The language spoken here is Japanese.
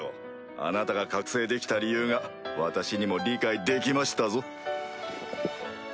あなたが覚醒できた理由が私にも理解できましたぞ。